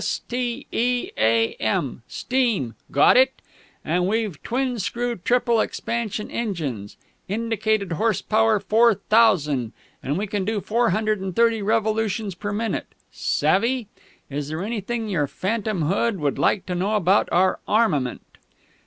S t e a m, steam. Got it? And we've twin screw triple expansion engines, indicated horse power four thousand, and we can do 430 revolutions per minute; savvy? Is there anything your phantomhood would like to know about our armament?..."